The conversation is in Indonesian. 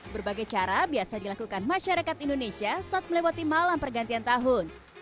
berbagai cara biasa dilakukan masyarakat indonesia saat melewati malam pergantian tahun